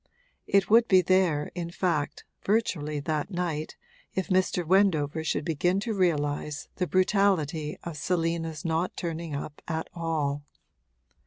It would be there in fact, virtually, that night, if Mr. Wendover should begin to realise the brutality of Selina's not turning up at all.